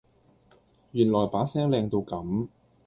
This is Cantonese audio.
原来把聲靚到咁